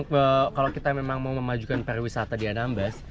nah itu kalau kita memang mau memajukan perwisata di anambas